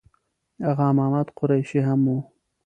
آغا محمد قریشي هم و.